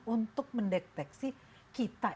untuk mendeteksi kita